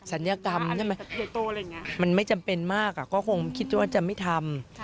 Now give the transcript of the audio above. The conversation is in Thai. ยกรรมใช่ไหมมันไม่จำเป็นมากก็คงคิดว่าจะไม่ทำ